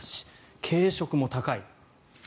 軽食も高い。